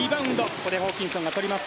これをホーキンソンが取ります。